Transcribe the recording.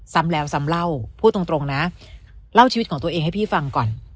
ซ้ำแล้วซ้ำเล่าพูดตรงนะเล่าชีวิตของตัวเองให้พี่ฟังก่อน